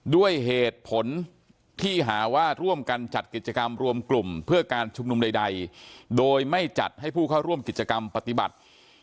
ด้วยเหตุผลที่หาว่าร่วมกันจัดกิจกรรมรวมกลุ่มเพื่อการชุมนุมใดโดยไม่จัดให้ผู้เข้าร่วมกิจกรรมปฏิบัติ